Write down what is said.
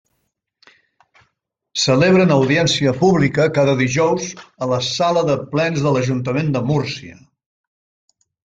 Celebren audiència pública cada dijous a la Sala de Plens de l'Ajuntament de Múrcia.